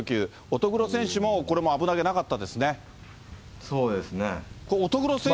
乙黒選手もこれも危なげなかったそうですね。